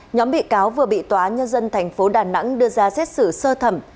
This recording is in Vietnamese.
nhóm bị cáo vừa bị tóa nhân dân thành phố đà nẵng đưa ra xét xử sơ thẩm